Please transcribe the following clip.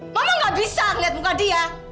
mama gak bisa ngeliat muka dia